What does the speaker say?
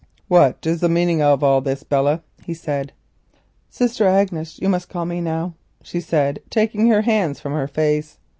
"What is the meaning of all this, Belle?" he said. "'Sister Agnes,' you must call me now," she said, taking her hands from her face.